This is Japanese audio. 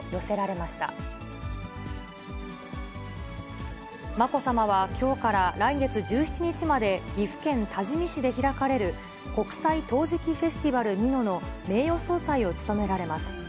まこさまはきょうから来月１７日まで岐阜県多治見市で開かれる、国際陶磁器フェスティバル美濃の名誉総裁を務められます。